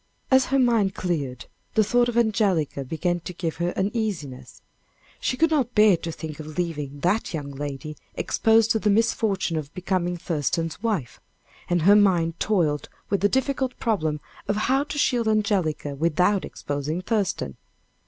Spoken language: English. As her mind cleared, the thought of Angelica began to give her uneasiness she could not bear to think of leaving that young lady exposed to the misfortune of becoming Thurston's wife and her mind toiled with the difficult problem of how to shield Angelica without exposing Thurston.